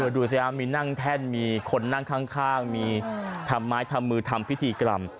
ดูสิครับมีนั่งแท่นมีคนนั่งข้างมีทำไม้ทำมือทำพิธีกรรม